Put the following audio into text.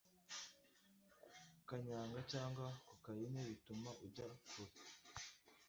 kanyanga cyangwa kokayine bituma ujya furi